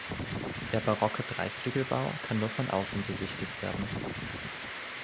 Der barocke Dreiflügelbau kann nur von außen besichtigt werden.